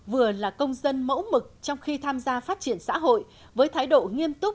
vừa là công dân mẫu mực trong khi tham gia phát triển xã hội với thái độ nghiêm túc